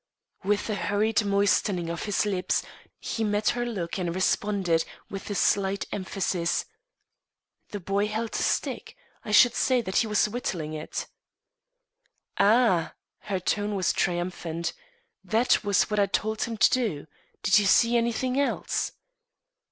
With a hurried moistening of his lips, he met her look and responded, with a slight emphasis: "The boy held a stick. I should say that he was whittling it." "Ah!" Her tone was triumphant. "That was what I told him to do. Did you see anything else?"